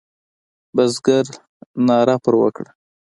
بزګر ناره پر وکړه.